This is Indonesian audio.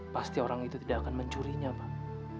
pasti orang itu tidak akan mencurinya bang